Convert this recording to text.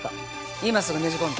今すぐねじ込んで！